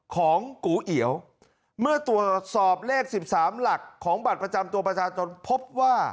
ของกูเอียวเมื่อตรวจสอบเลข๑๓หลักของบัตรประจำตัวประชาชนพบว่า